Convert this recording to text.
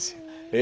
え。